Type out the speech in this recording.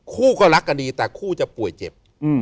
คู่ก็รักกันดีแต่คู่จะป่วยเจ็บ